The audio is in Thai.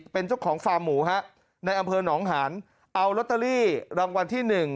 เป็นเจ้าของฟาร์มหมูฮะในอำเภอหนองหานเอาลอตเตอรี่รางวัลที่๑